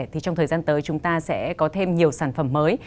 thì trong thời gian tới chúng ta sẽ có thêm nhiều sản phẩm mới